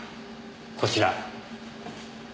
こちら。